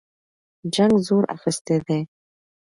جنګ زور اخیستی دی.